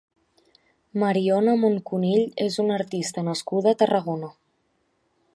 Mariona Moncunill és una artista nascuda a Tarragona.